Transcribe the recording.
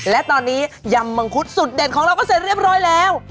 และตอนนี้ยำมังคุดสุดเด่นของเราก็เสร็จเรียบร้อยแล้ว